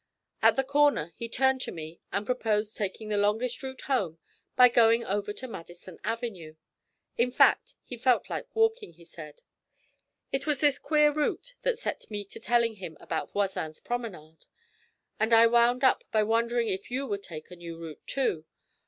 At the corner he turned to me and proposed taking the longest route home by going over to Madison Avenue. In fact, he felt like walking, he said. It was this queer route that set me to telling him about Voisin's promenade, and I wound up by wondering if you would take a new route, too.